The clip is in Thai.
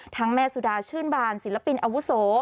แม่สุดาชื่นบานศิลปินอาวุโส